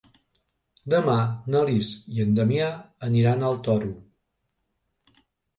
Demà na Lis i en Damià aniran al Toro.